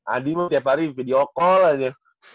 adi nih tiap hari video call aja